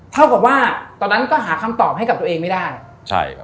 เท่ากับว่าก็หาคำตอบให้กับตัวเองไม่ได้